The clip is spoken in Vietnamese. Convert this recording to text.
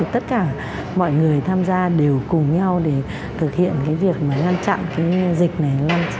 tất cả mọi người tham gia đều cùng nhau để thực hiện việc ngăn chặn dịch này